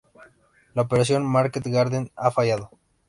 La "Operación Market Garden" ha fallado.